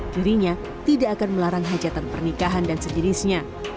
dirinya tidak akan melarang hajatan pernikahan dan sejenisnya